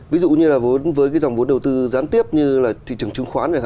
ví dụ như là với cái dòng vốn đầu tư gián tiếp như là thị trường chứng khoán này